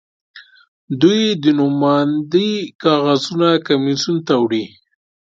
دوی د نوماندۍ کاغذونه کمېسیون ته وړي.